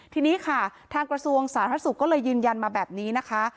ทีนี้ค่ะทางกระทรวงสาธารณสุขก็เลยยืนยันมาแบบนี้นะคะ